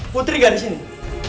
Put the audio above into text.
putri gak di sini